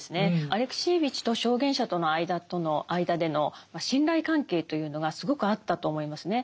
アレクシエーヴィチと証言者との間での信頼関係というのがすごくあったと思いますね。